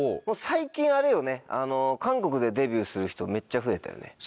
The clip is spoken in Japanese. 最近あれよね韓国でデビューする人めっちゃ増えたよね？